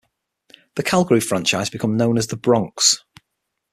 The Calgary franchise became known as the "Bronks".